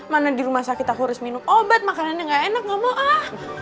mana di rumah sakit aku harus minum obat makanannya gak enak ngomong ah